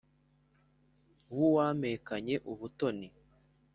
w’uwampekanye ubutoni